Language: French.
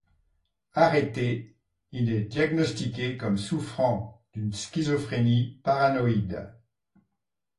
Arrêté, il est diagnostiqué comme souffrant d'une schizophrénie paranoïde.